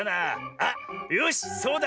あっよしそうだ！